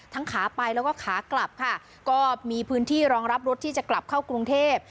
ขาไปแล้วก็ขากลับค่ะก็มีพื้นที่รองรับรถที่จะกลับเข้ากรุงเทพ